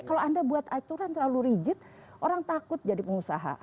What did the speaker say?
kalau anda buat aturan terlalu rigid orang takut jadi pengusaha